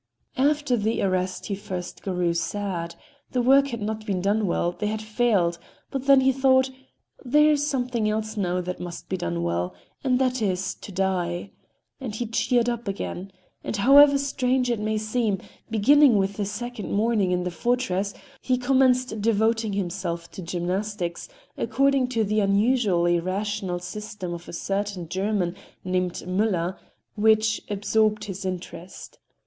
After the arrest he at first grew sad; the work had not been done well, they had failed; but then he thought: "There is something else now that must be done well—and that is, to die," and he cheered up again. And however strange it may seem, beginning with the second morning in the fortress, he commenced devoting himself to gymnastics according to the unusually rational system of a certain German named Müller, which absorbed his interest.